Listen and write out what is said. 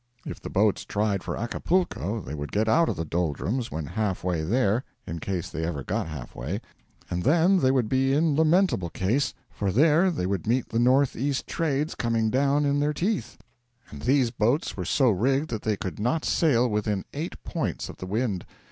If the boats tried for Acapulco they would get out of the doldrums when half way there in case they ever got half way and then they would be in lamentable case, for there they would meet the north east trades coming down in their teeth, and these boats were so rigged that they could not sail within eight points of the wind.